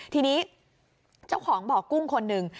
ทีนี้เจ้าของบ่อกุ้งคนหนึ่ง